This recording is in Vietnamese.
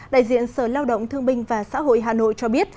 đại diện sở lao động thương binh và xã hội hà nội cho biết